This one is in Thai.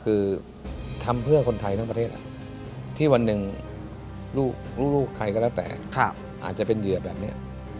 คือทำเพื่อคนไทยทั้งประเทศที่วันหนึ่งลูกใครก็แล้วแต่อาจจะเป็นเหยื่อแบบนี้